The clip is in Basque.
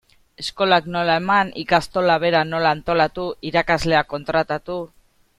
Eskolak nola eman, ikastola bera nola antolatu, irakasleak kontratatu...